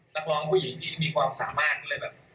นักร้องผู้หญิงที่มีความสามารถก็เลยแบบ